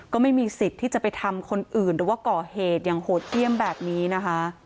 ก็ไม่มีสิทธิ์ที่จะไปทำคนอื่นหรือว่าก่อเหตุอย่างโหดเยี่ยมแบบนี้นะคะ